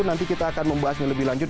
nanti kita akan membahasnya lebih lanjut